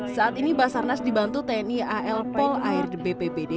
saat ini basarnas dibantu tni al pol air bppd